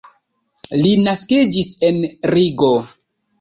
Li naskiĝis en Rigo.